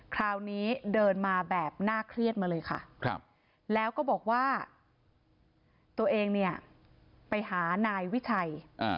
คราวนี้เดินมาแบบน่าเครียดมาเลยค่ะแล้วก็บอกว่าตัวเองเนี่ยไปหานายวิชัย